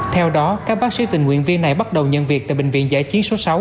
theo đó các bác sĩ tình nguyện viên này bắt đầu nhận việc tại bệnh viện giải chiến số sáu